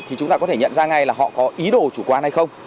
thì chúng ta có thể nhận ra ngay là họ có ý đồ chủ quan hay không